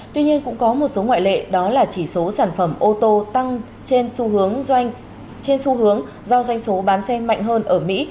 tuy nhiên cũng có một số ngoại lệ đó là chỉ số sản phẩm ô tô tăng trên xu hướng doanh số bán xe mạnh hơn ở mỹ